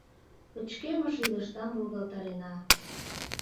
Пычкемыш илышдам волгалтарена...